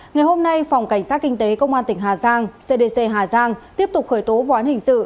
ngày hôm nay phòng cảnh sát kinh tế công an tỉnh hà giang cdc hà giang tiếp tục khởi tố vụ án hình sự